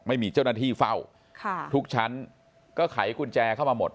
ไม่มีเจ้าหน้าที่เฝ้าค่ะทุกชั้นก็ไขกุญแจเข้ามาหมด